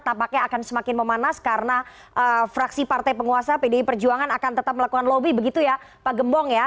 tampaknya akan semakin memanas karena fraksi partai penguasa pdi perjuangan akan tetap melakukan lobby begitu ya pak gembong ya